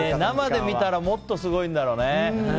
生で見たらもっとすごいんだろうね。